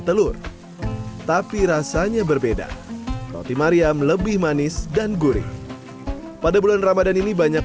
telur tapi rasanya berbeda roti mariam lebih manis dan gurih pada bulan ramadhan ini banyak